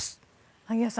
萩谷さん